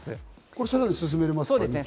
これ、さらに進められますか？